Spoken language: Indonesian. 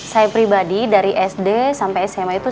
saya pribadi dari sd sampai sma itu